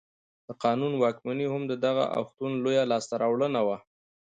د قانون واکمني هم د دغه اوښتون لویه لاسته راوړنه وه.